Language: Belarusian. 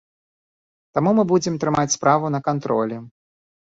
Таму мы будзе трымаць справу на кантролі.